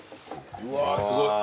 うわすごい。